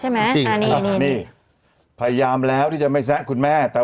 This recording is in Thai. ใช่ไหมอ่านี่นี่นี่พยายามแล้วที่จะไม่แซะคุณแม่แต่